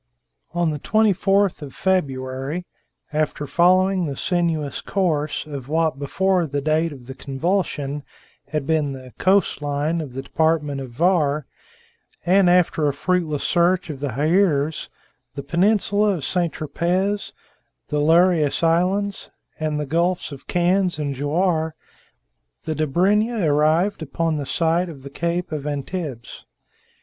On the 24th of February, after following the sinuous course of what before the date of the convulsion had been the coast line of the department of Var, and after a fruitless search for Hyeres, the peninsula of St. Tropez, the Lerius Islands, and the gulfs of Cannes and Jouar, the Dobryna arrived upon the site of the Cape of Antibes.